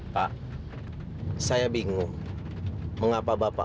pergi dari sini sebelum pikiran saya berubah